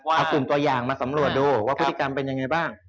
เอากลุ่มตัวอย่างมาสำรวจดูว่าพฤติกรรมเป็นยังไงบ้าง